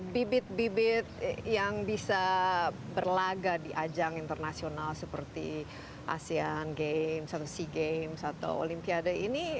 bibit bibit yang bisa berlaga di ajang internasional seperti asean games atau sea games atau olimpiade ini